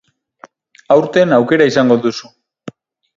Aurten aukera izango duzu.